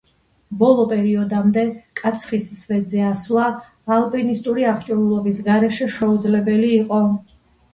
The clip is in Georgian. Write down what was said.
ბოლო პერიოდამდე კაცხის სვეტზე ასვლა, ალპინისტური აღჭურვილობის გარეშე, შეუძლებელი იყო.